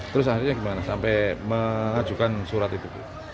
terus akhirnya gimana sampai mengajukan surat itu